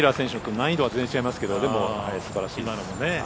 難易度は全然違いますけどでも素晴らしいです。